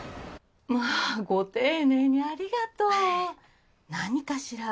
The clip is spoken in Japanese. まあご丁寧にありがとう！何かしら？